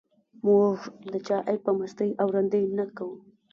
موږ د چا عیب په مستۍ او رندۍ نه کوو.